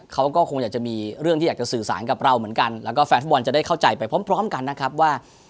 เขาก็คงอยากจะมีเรื่องที่อยากจะสื่อสารกับเราเหมือนกันแล้วก็แฟนฟุตบอลจะได้เข้าใจไปพร้อมพร้อมกันนะครับว่า